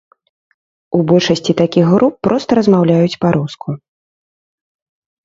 У большасці такіх груп проста размаўляюць па-руску.